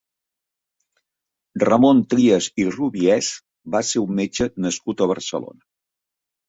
Ramon Trias i Rubiès va ser un metge nascut a Barcelona.